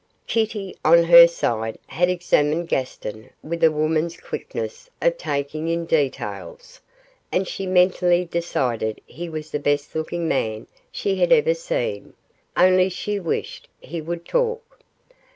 Kitty, on her side, had examined Gaston with a woman's quickness of taking in details, and she mentally decided he was the best looking man she had ever seen, only she wished he would talk.